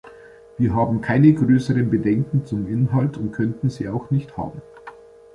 Wir haben keine größeren Bedenken zum Inhalt und könnten sie auch nicht haben.